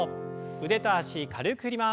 腕と脚軽く振ります。